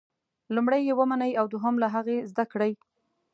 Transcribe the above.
لومړی یې ومنئ او دوهم له هغې زده کړئ.